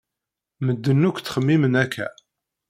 Medden akk ttxemmimen akka.